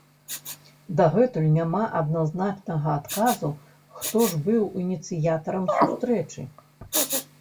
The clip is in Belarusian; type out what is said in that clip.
Дагэтуль няма адназначнага адказу, хто ж быў ініцыятарам сустрэчы.